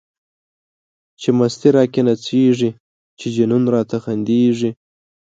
چی مستی را کی نڅيږی، چی جنون را ته خنديږی